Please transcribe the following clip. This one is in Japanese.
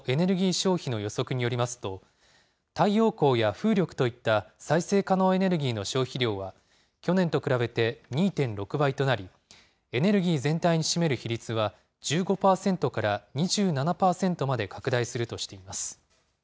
消費の予測によりますと、太陽光や風力といった再生可能エネルギーの消費量は、去年と比べて２．６倍となり、エネルギー全体に占める比率は、１５％から２７％まで拡大するとしています。